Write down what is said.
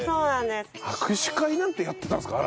握手会なんてやってたんですか？